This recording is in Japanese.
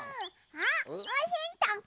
あっおせんたく？